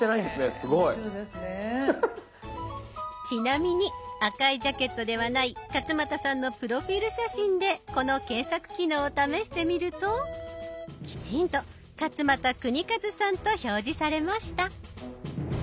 ちなみに赤いジャケットではない勝俣さんのプロフィール写真でこの検索機能を試してみるときちんと「勝俣州和」さんと表示されました。